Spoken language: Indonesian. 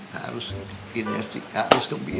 harus energi harus kebina